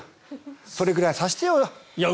それぐらいさせてよ。